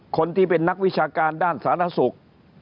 คนที่เป็นนักวิชาการด้านสาธารณสุข